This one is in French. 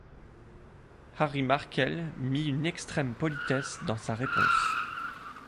Harry Markel mit une extrême politesse dans sa réponse.